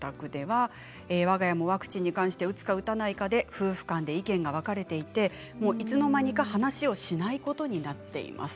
わが家でもワクチンに関して打つか打たないかで夫婦間で意見が分かれていていつの間にか話をしないことになっています。